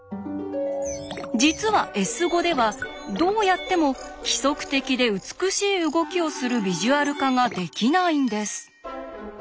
実は「Ｓ」ではどうやっても規則的で美しい動きをするビジュアル化ができないんです。